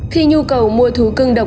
khi nhu cầu mua thú cưng độc